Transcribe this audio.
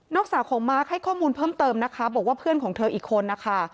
สาวของมาร์คให้ข้อมูลเพิ่มเติมนะคะบอกว่าเพื่อนของเธออีกคนนะคะ